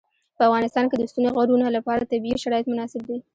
په افغانستان کې د ستوني غرونه لپاره طبیعي شرایط مناسب دي.